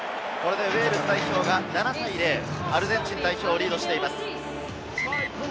ウェールズ代表が７対０、アルゼンチン代表をリードしています。